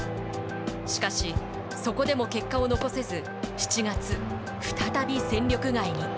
しかし、そこでも結果を残せず７月、再び戦力外に。